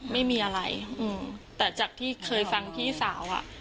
ไม่มีอะไรอืมแต่จากที่เคยฟังพี่สาวอ่ะ